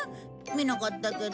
見なかったけど。